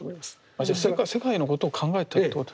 じゃあ世界のことを考えたってことですか？